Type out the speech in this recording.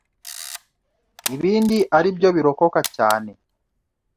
ibindi ari byo birokoka cyane